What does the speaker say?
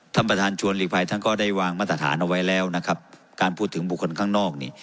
ท่านประธานชวนหลีกภัยท่านก็ได้วางมาตรฐานเอาไว้แล้วนะครับการพูดถึงบุคคลข้างนอกนี่